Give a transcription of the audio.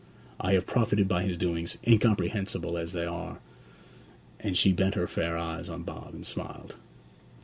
I have profited by his doings, incomprehensible as they are.' And she bent her fair eyes on Bob and smiled.